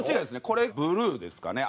これブルーですかね。